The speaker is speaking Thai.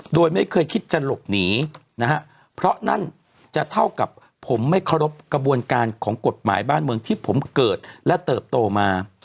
โดยไม่เคยคิดจะหลบหนีนะฮะเพราะนั่นจะเท่ากับผมไม่เคารพกระบวนการของกฎหมายบ้านเมืองที่ผมเกิดและเติบโตมา